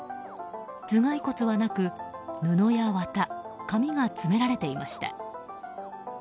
頭蓋骨はなく、布や綿、紙が詰められていました。